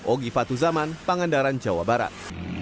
ogi fatuzaman pangandaran jawa barat